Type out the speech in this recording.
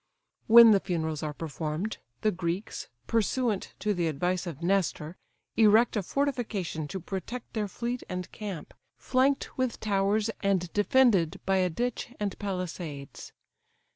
When the funerals are performed, the Greeks, pursuant to the advice of Nestor, erect a fortification to protect their fleet and camp, flanked with towers, and defended by a ditch and palisades.